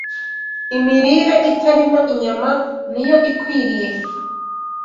Imirire Itarimo Inyama ni yo Ikwiriye